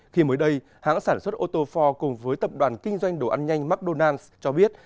khi mới đây hãng sản xuất ô tô ford cùng với tập đoàn kinh doanh đồ ăn nhanh mcdonald s cho biết